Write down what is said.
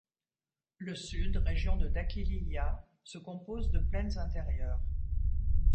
Le sud, région de Dakhiliyah, se compose de plaines intérieures.